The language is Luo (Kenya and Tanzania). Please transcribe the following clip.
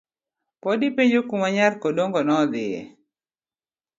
Pod ipenjo kuma nyar kodongo no dhie.